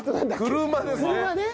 車ですね。